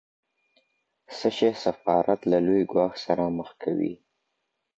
څه شی سفارت له لوی ګواښ سره مخ کوي؟